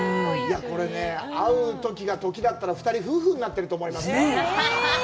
これね、会うときがときだったら、２人、夫婦になってると思いますよ。